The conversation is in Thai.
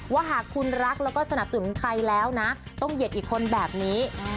ว่าหากคุณรักแล้วก็สนับสนุนใครแล้วนะต้องเหยียดอีกคนแบบนี้